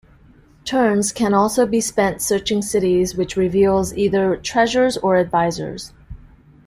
Turns can also be spent searching cities which reveals either treasures or advisors.